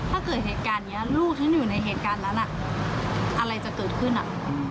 ถ้าเกิดเหตุการณ์นี้ลูกฉันอยู่ในเหตุการณ์นั้นอะไรจะเกิดขึ้น